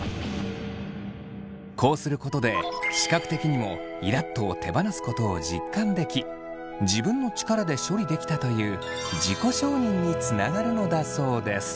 こうすることで視覚的にも「イラっと」を手放すことを実感でき自分の力で処理できたという自己承認につながるのだそうです。